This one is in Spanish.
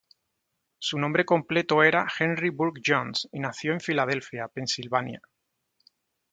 Su nombre completo era Henry Burk Jones, y nació en Filadelfia, Pensilvania.